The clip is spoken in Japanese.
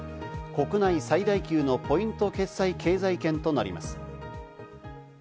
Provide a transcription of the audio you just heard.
国内最大級のポイント決済経済圏となります。